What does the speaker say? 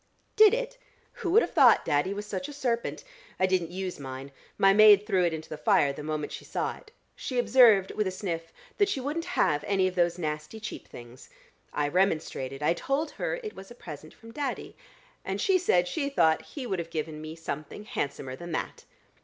"Did it? Who would have thought Daddy was such a serpent? I didn't use mine: my maid threw it into the fire the moment she saw it. She observed, with a sniff, that she wouldn't have any of those nasty cheap things. I remonstrated: I told her it was a present from Daddy, and she said she thought he would have given me something handsomer than that."